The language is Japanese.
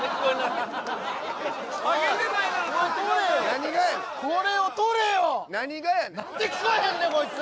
何がやねん何で聞こえへんねんこいつ！